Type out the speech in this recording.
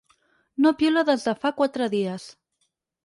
No piula des de fa quatre dies.